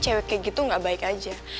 cewek kayak gitu gak baik aja